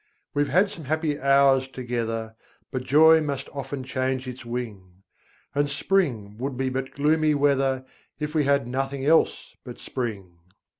We've had some happy hours together, But joy must often change its wing; And spring would be but gloomy weather, If we had nothing else but spring.